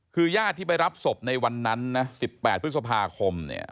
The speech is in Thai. คือญาติที่ไปรับศพในวันนั้นนะ๑๘พฤษภาคมเนี่ย